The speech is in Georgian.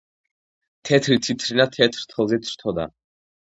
თეთრი თითრინა თეთრ თრთოლზე თრთოდა